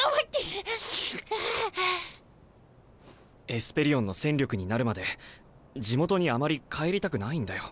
エスペリオンの戦力になるまで地元にあまり帰りたくないんだよ。